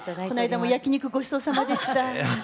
こないだも焼き肉ごちそうさまでした。